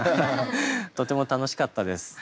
とても楽しかったです。